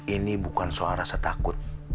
ini bukan soal rasa takut